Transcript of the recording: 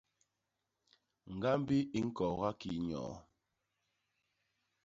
Ñgambi i ñkooga kii nyoo.